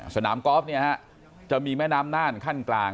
สนามกอล์ฟเนี่ยฮะจะมีแม่น้ำน่านขั้นกลาง